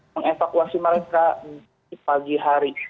mengevakuasi mereka pagi hari